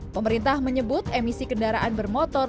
pemerintah menyebut emisi kendaraan bermotor